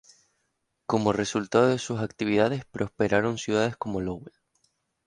Como resultado de sus actividades, prosperaron ciudades como Lowell.